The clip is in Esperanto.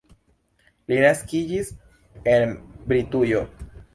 Li naskiĝis en Britujo.